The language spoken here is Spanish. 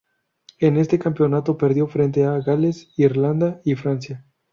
En este campeonato perdió frente a Gales, Irlanda y Francia.